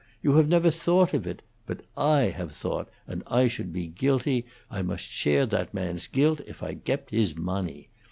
You haf nefer thought of it; boat I have thought, and I should be Guilty, I must share that man's Guilt, if I gept hiss mawney.